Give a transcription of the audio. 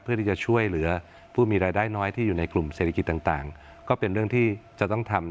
เพื่อที่จะช่วยเหลือผู้มีรายได้น้อยที่อยู่ในกลุ่มเศรษฐกิจต่างก็เป็นเรื่องที่จะต้องทำ